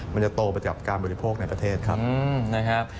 มันจะโตไปจากการบริโภคในประเทศครับ